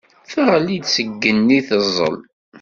Teɣli-d seg yigenni teẓẓel.